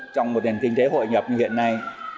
trong một nền kinh tế hội nhập hiện nay